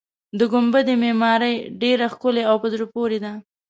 د ګنبدې معمارۍ ډېره ښکلې او په زړه پورې ده.